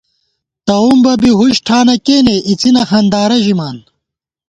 تَؤم بہ بی ہُش ٹھانہ کېنے ، اِڅِنہ ہندارہ ژِمان